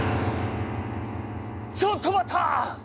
ちょっと待った！